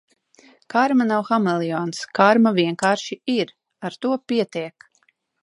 Karma nav hameleons, karma vienkārši ir. Ar to pietiek!